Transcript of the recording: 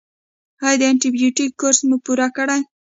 ایا د انټي بیوټیک کورس مو پوره کړی؟